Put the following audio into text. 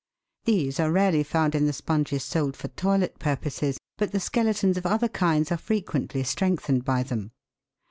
These are rarely found in the sponges sold for toilet pur poses, but the skeletons of other kinds are frequently strengthened by them.